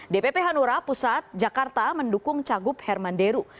dpp hanura pusat jakarta mendukung cagup hermansyah